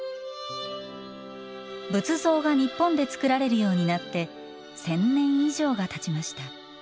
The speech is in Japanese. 仏像が日本で造られるようになって千年以上がたちました。